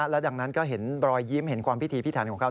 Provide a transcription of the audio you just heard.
และดังนั้นก็เห็นรอยยิ้มเห็นความพิธีพิถันของเขา